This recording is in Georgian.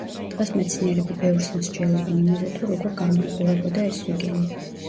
დღეს მეცნიერები ბევრს მსჯელობენ იმაზე, თუ როგორ გამოიყურებოდა ეს ზვიგენი.